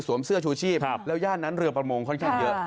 เสื้อชูชีพแล้วย่านนั้นเรือประมงค่อนข้างเยอะ